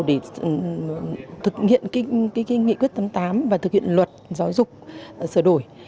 để thực hiện cái nghị quyết tấm tám và thực hiện luật giáo dục sở đổi